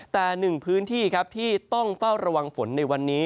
แต่หนึ่งพื้นที่ครับที่ต้องเฝ้าระวังฝนในวันนี้